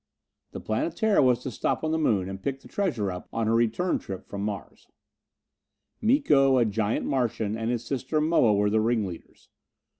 The Planetara was to stop on the Moon and pick the treasure up on her return trip from Mars. Miko, a giant Martian, and his sister, Moa, were the ringleaders.